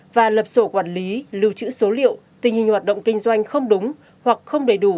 và lập sổ quản lý lưu trữ số liệu tình hình hoạt động kinh doanh không đúng hoặc không đầy đủ